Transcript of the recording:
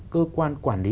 cơ quan quản lý